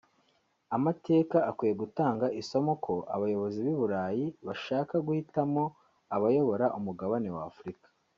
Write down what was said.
Amateka akwiye gutanga isomo ko abayobozi b’i Burayi bashaka guhitamo abayobora umugabane wa Afurika